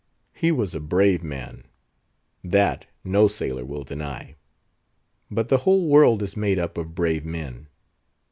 He was a brave man; that no sailor will deny. But the whole world is made up of brave men.